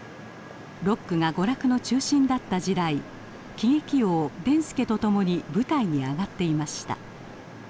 六区が娯楽の中心だった時代喜劇王デン助と共に舞台に上がっていました。